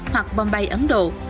hoặc bombay ấn độ